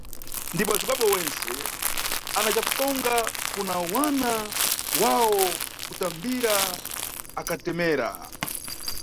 Ndipo azibaba wentse ana cakutonga kuna wana wawo kutambira akatemera.